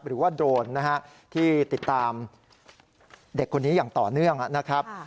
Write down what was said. หรือว่าโดรนนะฮะที่ติดตามเด็กคนนี้อย่างต่อเนื่องนะครับ